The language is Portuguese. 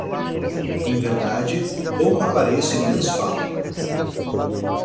Em verdade, pouco apareço e menos falo.